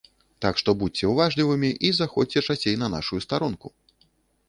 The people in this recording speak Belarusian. Так што будзьце уважлівымі і заходзьце часцей на нашую старонку!